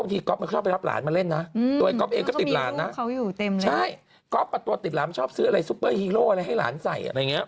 ติดหลานชอบซื้ออะไรซูเปอร์ฮีโร่ให้หลานใส่